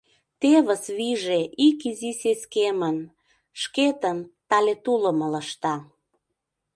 Тевыс вийже ик изи сескемын: Шкетын тале тулым ылыжта.